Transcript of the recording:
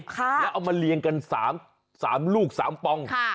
แล้วเอามาเรียงกัน๓ลูก๓ปอง